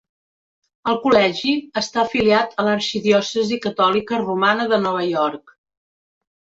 El col·legi està afiliat a l'arxidiòcesi catòlica romana de Nova York.